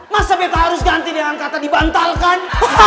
masa beta harus ganti dengan kata dibantalkan